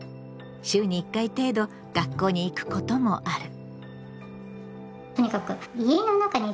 週に１回程度学校に行くこともある。